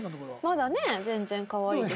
まだね全然かわいいですよ。